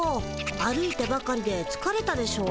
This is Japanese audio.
歩いてばかりでつかれたでしょう？